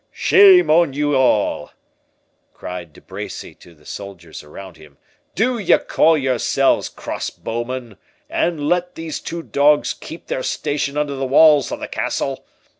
"Shame on ye all!" cried De Bracy to the soldiers around him; "do ye call yourselves cross bowmen, and let these two dogs keep their station under the walls of the castle?